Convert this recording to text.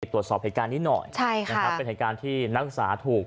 ตรวจสอบเหตุการณ์นี้หน่อยใช่ค่ะนะครับเป็นเหตุการณ์ที่นักศึกษาถูก